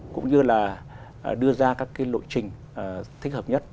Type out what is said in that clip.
cũng như là đưa ra các lội trình thích hợp nhất